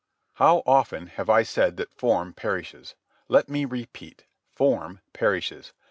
How often have I said that form perishes. Let me repeat. Form perishes.